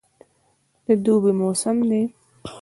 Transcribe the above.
د دوبی موسم ده